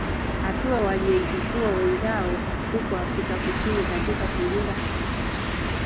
Hatua walioichukua wenzao huko Afrika kusini katika kulinda haki zao